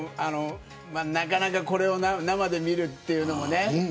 なかなかこれを生で見るというのもね。